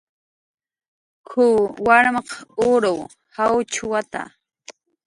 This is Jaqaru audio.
"K""uw warmq uruw jawchwata "